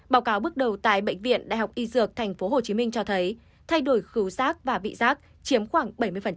báo cáo bước đầu tại bệnh viện đại học y dược tp hcm cho thấy thay đổi khẩu sát và vị sát chiếm khoảng bảy mươi